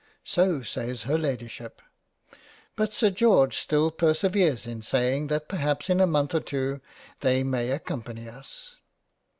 So says her Ladyship, but Sir George still perseveres in saying that perhaps in a month or two, they may accompany us.